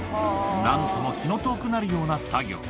なんとも気の遠くなるような作業。